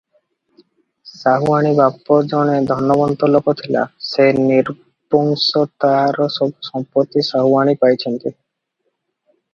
ସାହୁଆଣୀ ବାପ ଜଣେ ଧନବନ୍ତ ଲୋକ ଥିଲା - ସେ ନିର୍ବଂଶ, ତାହାର ସବୁ ସମ୍ପତ୍ତି ସାହୁଆଣୀ ପାଇଛନ୍ତି ।